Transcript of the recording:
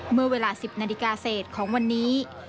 เมื่อเวลา๑๐นาฬิกาเศษของวันนี้